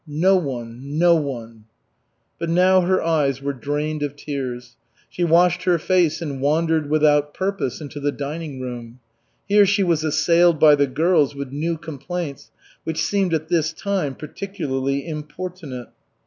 No one! No one!" But now her eyes were drained of tears. She washed her face and wandered without purpose into the dining room. Here she was assailed by the girls with new complaints which seemed at this time particularly importunate.